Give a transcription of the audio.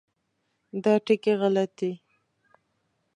دا ټکي غلط دي.